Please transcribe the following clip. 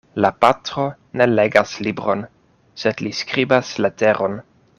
La patro ne legas libron, sed li skribas leteron.